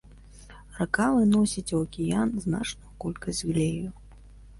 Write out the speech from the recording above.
Рака выносіць у акіян значную колькасць глею.